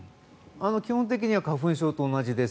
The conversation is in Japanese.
基本的には花粉症と同じです。